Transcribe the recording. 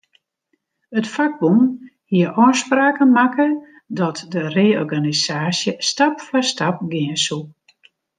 It fakbûn hie ôfspraken makke dat de reorganisaasje stap foar stap gean soe.